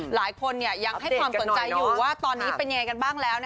หลายคนยังให้ความสนใจอยู่ว่าตอนนี้เป็นยังไงกันบ้างแล้ว